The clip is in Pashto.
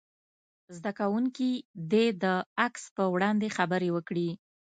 زده کوونکي دې د عکس په وړاندې خبرې وکړي.